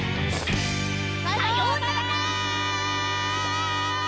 さようなら！